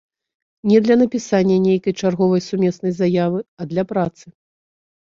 Не для напісання нейкай чарговай сумеснай заявы, а для працы.